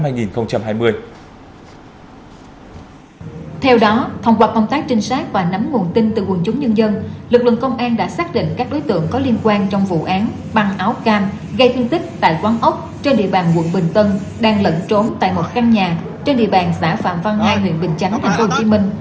theo đó thông qua công tác trinh sát và nắm nguồn tin từ quần chúng nhân dân lực lượng công an đã xác định các đối tượng có liên quan trong vụ án băng áo cam gây thương tích tại quán ốc trên địa bàn quận bình tân đang lẫn trốn tại một căn nhà trên địa bàn xã phạm văn hai huyện bình chánh tp hcm